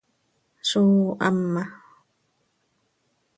Zóo hama.